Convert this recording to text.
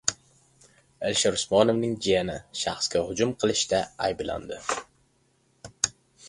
Alisher Usmonovning jiyani shaxsga hujum qilishda ayblandi